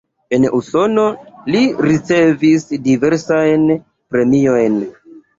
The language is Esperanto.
En Usono li ricevis diversajn premiojn.